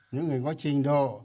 những người có trình độ